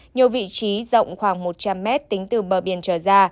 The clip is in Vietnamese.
nhiều vị trí rộng khoảng một trăm linh mét tính từ bờ biển trở ra